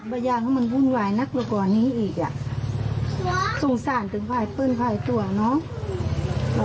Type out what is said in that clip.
บัญญาณมันวุ่นวายนักกว่านี้อีกสงสารถึงภายปืนภายตัวเนอะ